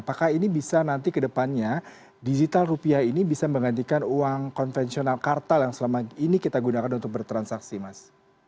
apakah ini bisa nanti kedepannya digital rupiah ini bisa menggantikan uang konvensional kartal yang selama ini kita gunakan untuk bertransaksi mas